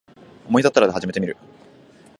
思いたったら始めてみる